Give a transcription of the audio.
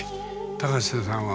高瀬さんは？